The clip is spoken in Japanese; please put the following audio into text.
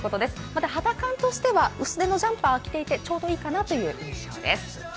また肌感としては薄手のジャンパーを着ていてちょうどいいかなという印象です。